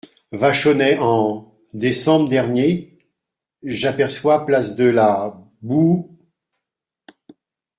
Vachonnet En … décembre dernier … j'aperçois place de la Bou …